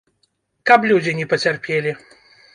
Каб людзі не пацярпелі.